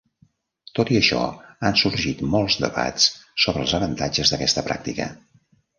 Tot i això, han sorgit molts debats sobre els avantatges d'aquesta pràctica.